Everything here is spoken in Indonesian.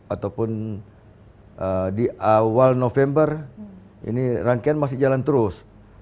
ataupun di awal november ini rangkaian masih jalan terus